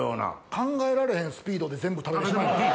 考えられへんスピードで全部食べてしまう。